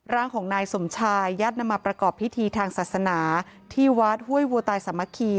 ร่างของนายสมชายญาตินำมาประกอบพิธีทางศาสนาที่วัดห้วยวัวตายสามัคคี